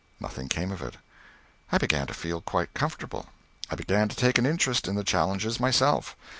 Nothing came of it. I began to feel quite comfortable. I began to take an interest in the challenges myself.